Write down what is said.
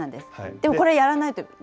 でもこれやらないとね。